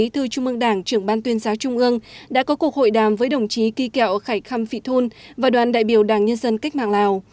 trường ban tuyên giáo trung ương đã có cuộc hội đàm với đồng chí kỳ kẹo khẻ khăm phị thôn và đoàn đại biểu đảng nhân dân cách mạng lào